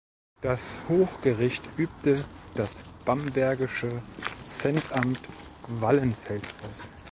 Das Hochgericht übte das bambergische Centamt Wallenfels aus.